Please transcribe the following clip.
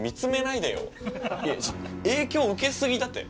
いや影響受け過ぎだって。